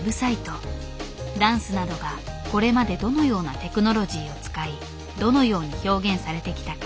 ダンスなどがこれまでどのようなテクノロジーを使いどのように表現されてきたか。